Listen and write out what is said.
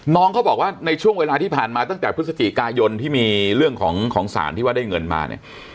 น้องเขาบอกว่าในช่วงเวลาที่ผ่านมาตั้งแต่พฤศจิกายนที่มีเรื่องของสารที่ว่าได้เงินมาเนี่ย